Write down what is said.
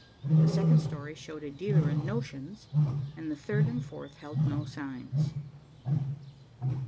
The second story showed a dealer in notions, and the third and fourth held no signs.